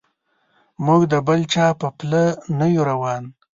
موږ د بل چا په پله نه یو روان.